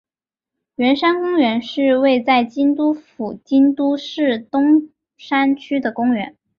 圆山公园是位在京都府京都市东山区的公园。